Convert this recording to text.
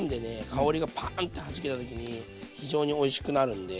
香りがパーンってはじけた時に非常においしくなるんで。